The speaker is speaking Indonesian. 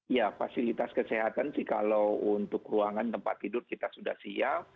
ya fasilitas kesehatan sih kalau untuk ruangan tempat tidur kita sudah siap